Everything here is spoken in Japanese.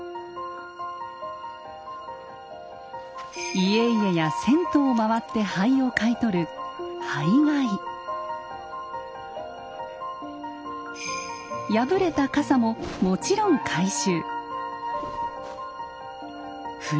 家々や銭湯を回って灰を買い取る破れた傘ももちろん回収。